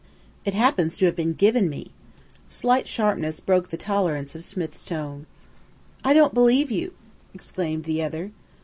"It happens to have been given me." Slight sharpness broke the tolerance of Smith's tone. "I don't believe you!" exclaimed the other.